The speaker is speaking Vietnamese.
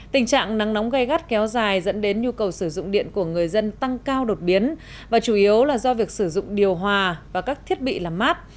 tình trạng nắng nóng gai gắt kéo dài dẫn đến nhu cầu sử dụng điện của người dân tăng cao đột biến và chủ yếu là do việc sử dụng điều hòa và các thiết bị làm mát